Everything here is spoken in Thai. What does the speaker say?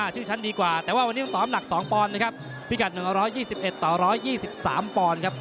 ชื่อชั้นดีกว่าแต่ว่าวันนี้ต้องตอบหนัก๒ปอนด์นะครับพิกัด๑๒๑ต่อ๑๒๓ปอนด์ครับ